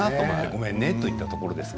ごめんねといったところです。